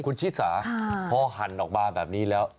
คุณชิสาพอหั่นออกมาแบบนี้แล้ว